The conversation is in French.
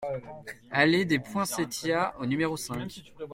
Allée des Poinsettias au numéro cinq